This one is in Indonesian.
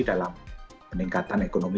dalam peningkatan ekonomi